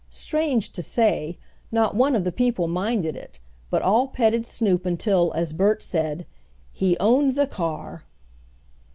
Strange to say, not one of the people minded it, but all petted Snoop until, as Bert said, "He owned the car."